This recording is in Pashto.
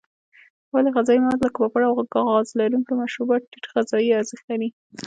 ولې غذایي مواد لکه پاپړ او غاز لرونکي مشروبات ټیټ غذایي ارزښت لري.